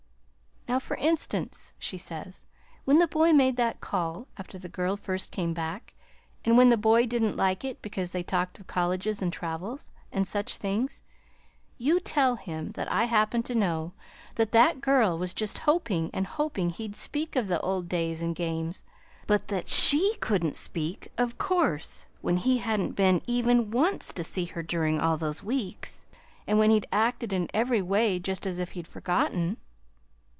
"'Now, for instance,' she says, 'when the boy made that call, after the girl first came back, and when the boy didn't like it because they talked of colleges and travels, and such things, you tell him that I happen to know that that girl was just hoping and hoping he'd speak of the old days and games; but that she could n't speak, of course, when he hadn't been even once to see her during all those weeks, and when he'd acted in every way just as if he'd forgotten.'"